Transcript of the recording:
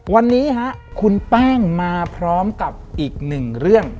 วันนี้คุณแป้งมาพร้อมกับอีกหนึ่งเรื่อง